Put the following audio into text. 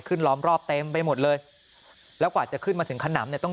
ล้อมรอบเต็มไปหมดเลยแล้วกว่าจะขึ้นมาถึงขนำเนี่ยต้อง